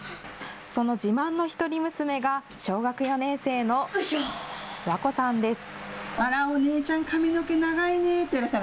その自慢の一人娘が小学４年生の和恋さんです。